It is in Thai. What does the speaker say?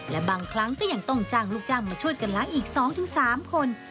และบางครั้งก็ยังต้องจ้างลูกจ้างมาช่วยกันล้างอีก๒๓คน